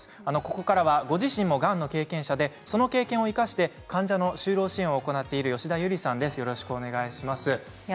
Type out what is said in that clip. ここからは、ご自身もがんの経験者でその経験を生かして患者の就労支援を行っている吉田ゆりさんです。